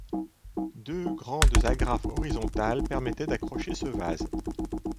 Deux grandes agrafes horizontales permettaient d'accrocher ce vase.